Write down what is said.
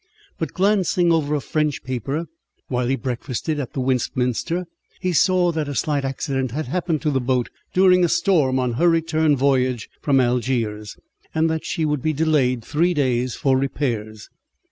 But glancing over a French paper while he breakfasted at the Westminster, he saw that a slight accident had happened to the boat during a storm on her return voyage from Algiers, and that she would be delayed three days for repairs.